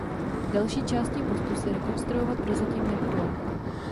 Další části mostu se rekonstruovat prozatím nebudou.